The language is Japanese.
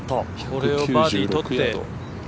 これをバーディー取って。